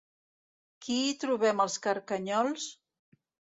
Qui hi trobem als carcanyols?